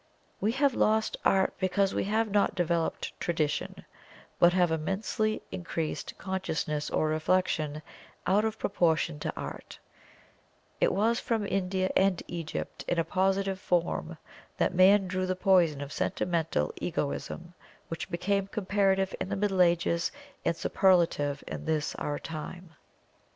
We have lost Art because we have not developed tradition, but have immensely increased consciousness, or reflection, out of proportion to art It was from India and Egypt in a positive form that Man drew the poison of sentimental Egoism which became comparative in the Middle Ages and superlative in this our time.